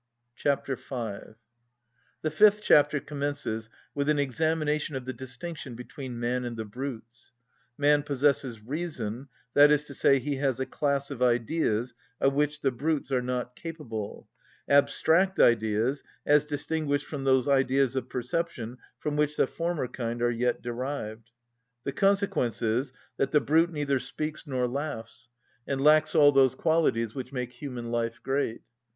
Chapter V. The fifth chapter commences with an examination of the distinction between man and the brutes. Man possesses reason, that is to say, he has a class of ideas of which the brutes are not capable, abstract ideas as distinguished from those ideas of perception from which the former kind are yet derived. The consequence is, that the brute neither speaks nor laughs, and lacks all those qualities which make human life great.